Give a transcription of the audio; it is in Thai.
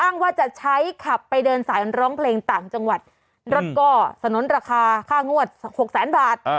อ้างว่าจะใช้ขับไปเดินสายร้องเพลงต่างจังหวัดแล้วก็สนุนราคาค่างวดหกแสนบาท